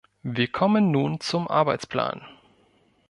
Wir kommen nun zum Arbeitsplan.